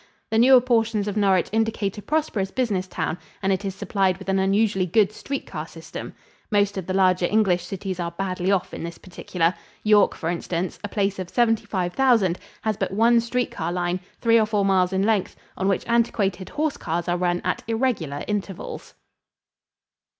The newer portions of Norwich indicate a prosperous business town and it is supplied with an unusually good street car system. Most of the larger English cities are badly off in this particular. York, for instance, a place of seventy five thousand, has but one street car line, three or four miles in length, on which antiquated horse cars are run at irregular intervals.